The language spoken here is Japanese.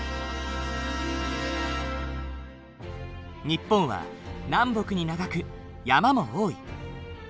日本は南北に長く山も多い。